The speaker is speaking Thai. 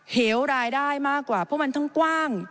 เหวรายได้มากกว่าเพราะมันทั้งกว้าง